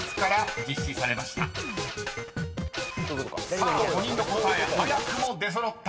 ［さあ５人の答え早くも出揃った］